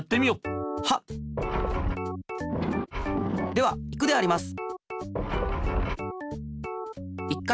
ではいくであります！